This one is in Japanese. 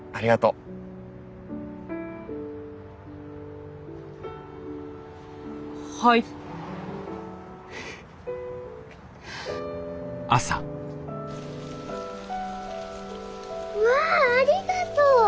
うわありがとう！